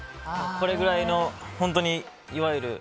これぐらいの、本当にいわゆる。